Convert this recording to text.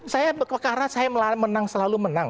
saya karena saya menang selalu menang